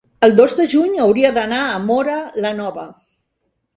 el dos de juny hauria d'anar a Móra la Nova.